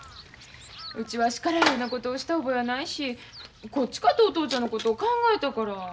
うちは叱られるようなことをした覚えはないしこっちかてお父ちゃんのことを考えたから。